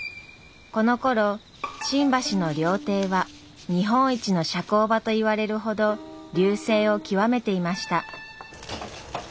このころ新橋の料亭は日本一の社交場といわれるほど隆盛を極めていました。